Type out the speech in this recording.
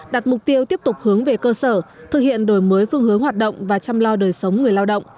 đặt mục tiêu tiếp tục hướng về cơ sở thực hiện đổi mới phương hướng hoạt động và chăm lo đời sống người lao động